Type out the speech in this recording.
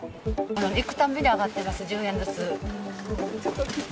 いくたんびに上がってます、１０円ずつ。